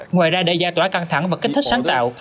ngoài ra để giải tỏa căng thẳng và kích thích sáng tạo